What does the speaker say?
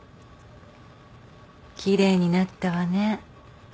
奇麗になったわね。